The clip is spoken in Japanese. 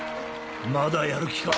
まだやる気か？